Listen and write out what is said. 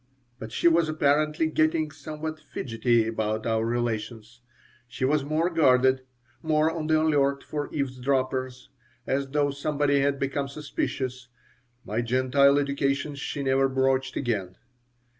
But she was apparently getting somewhat fidgety about our relations. She was more guarded, more on the alert for eavesdroppers, as though somebody had become suspicious. My Gentile education she never broached again.